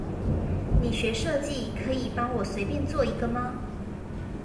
你學設計，可以幫我隨便做一個嗎？